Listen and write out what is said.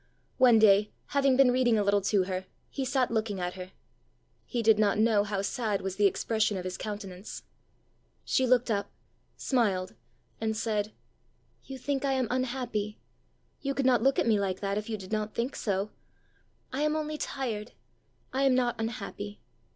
One day, having been reading a little to her, he sat looking at her. He did not know how sad was the expression of his countenance. She looked up, smiled, and said, "You think I am unhappy! you could not look at me like that if you did not think so! I am only tired; I am not unhappy.